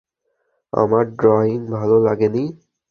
আমার ড্রয়িং ভালো লাগেনি?